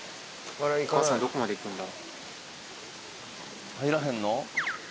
お母さん、どこまで行くんだ？